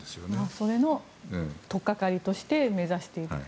それの取っかかりとして目指している。